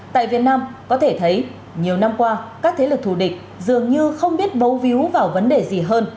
tại việt nam có thể thấy nhiều năm qua các thế lực thù địch dường như không biết bấu víu vào vấn đề gì hơn